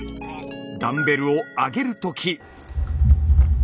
ダンベルを上げるとき。